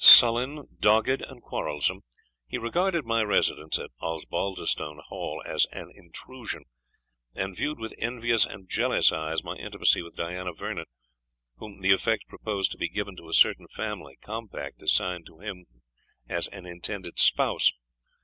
Sullen, dogged, and quarrelsome, he regarded my residence at Osbaldistone Hall as an intrusion, and viewed with envious and jealous eyes my intimacy with Diana Vernon, whom the effect proposed to be given to a certain family compact assigned to him as an intended spouse.